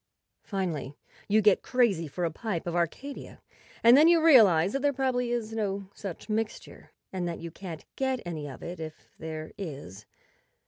Finally you get crazy for a pipe of Arcadia, and then you realize that there probably is no such mixture, and that you can't get any of it if there is.